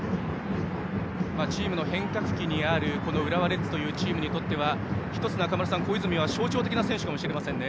チームの変革期にある浦和レッズというチームにとって中村さん、小泉は象徴的な選手かもしれませんね。